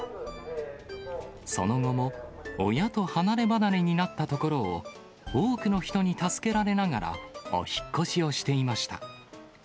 その後も親と離れ離れになったところを、多くの人に助けられながら、お引っ越しをしていました。